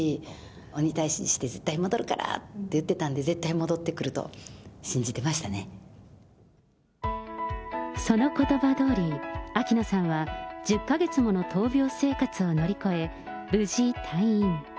鬼退治して、絶対戻るからって言ってたんで、絶対戻ってくると信そのことばどおり、秋野さんは１０か月もの闘病生活を乗り越え、無事退院。